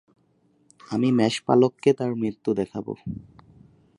আমি মেষপালককে তার মৃত্যু দেখাবো।